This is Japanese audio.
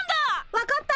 分かった！